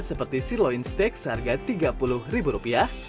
seperti siloin steak seharga tiga puluh ribu rupiah